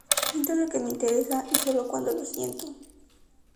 Pinto lo que me interesa y sólo cuando lo siento".